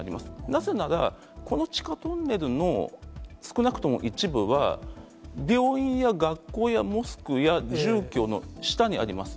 なぜなら、この地下トンネルの少なくとも一部は、病院や学校やモスクや住居の下にあります。